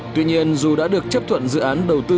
tuy nhiên dù đã được chấp thuận dự án đầu tư